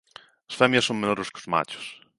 As femias son menores que os machos.